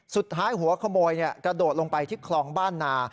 หัวขโมยกระโดดลงไปที่คลองบ้านนา